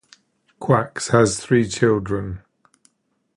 Quax has three children.